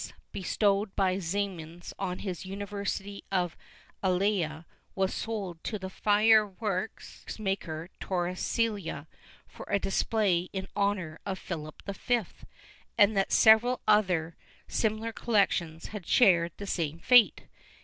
bestowed by Ximenes on his University of Alcala was sold to the fire works maker Torrecilla, for a display in honor of PhilipV, and that several other similar collections had shared the same fate.